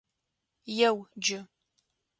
Еу, джы!